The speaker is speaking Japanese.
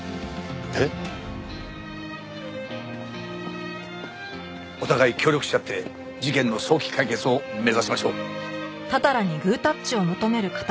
えっ？お互い協力し合って事件の早期解決を目指しましょう。